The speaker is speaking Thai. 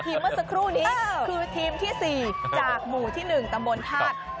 เมื่อสักครู่นี้คือทีมที่๔จากหมู่ที่๑ตำบลธาตุ